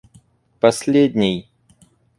последний